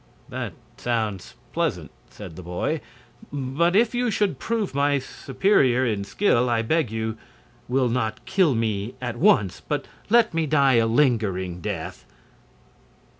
"That sounds pleasant," said the boy. "But if you should prove my superior in skill I beg you will not kill me at once, but let me die a lingering death."